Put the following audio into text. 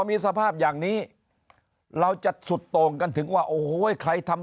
มีสภาพอย่างนี้เราจะสุดตรงกันถึงว่าโอ้โหใครทำ